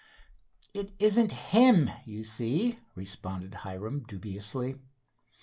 "It isn't him, you see," responded Hiram dubiously.